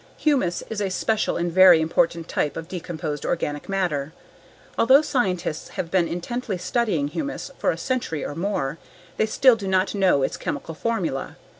Humus is a special and very important type of decomposed organic matter. Although scientists have been intently studying humus for a century or more, they still do not know its chemical formula.